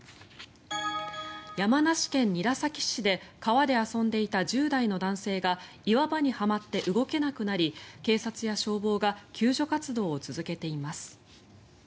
山梨県韮崎市で川で遊んでいた１０代の男性が岩場にはまって動けなくなり警察や消防が救助活動を続けています。